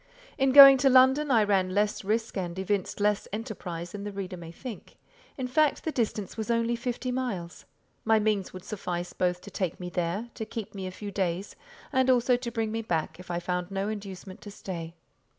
In going to London, I ran less risk and evinced less enterprise than the reader may think. In fact, the distance was only fifty miles. My means would suffice both to take me there, to keep me a few days, and also to bring me back if I found no inducement to stay.